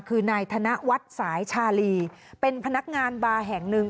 คือนายธนวัฒน์สายชาลีเป็นพนักงานบาร์แห่งหนึ่ง